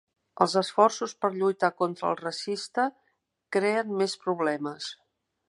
Els esforços per lluitar contra el racista creen més problemes.